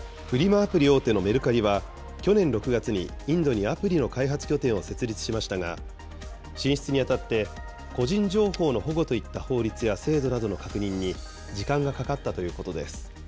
アプリ大手のメルカリは、去年６月に、インドにアプリの開発拠点を設立しましたが、進出にあたって、個人情報の保護といった法律や制度などの確認に時間がかかったということです。